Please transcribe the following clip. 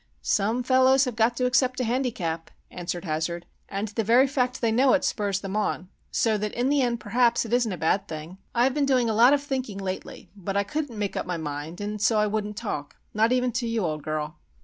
"Some fellows have got to accept a handicap," answered Hazard. "And the very fact that they know it spurs them on,—so that in the end, perhaps, it isn't a bad thing. I've been doing a lot of thinking lately; but I couldn't make up my mind and so I wouldn't talk, not even to you, old girl.